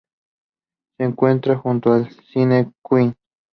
Se encuentra junto al Cine Queen.